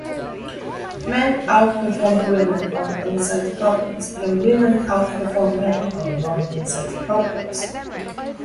Men outperformed women on insight problems, and women outperformed men on non-insight problems.